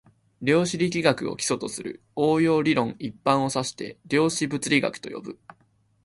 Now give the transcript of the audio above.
量子力学を基礎とする応用理論一般を指して量子物理学と呼ぶ